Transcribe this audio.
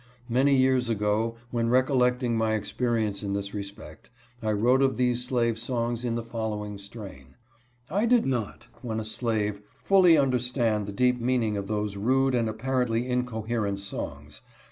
Many years ago, when recollecting my experience in this respect, I wrote of these slave songs in the following strain :" I did not, when a slave, fully understand the deep meaning of those rude and apparently incoherent songs.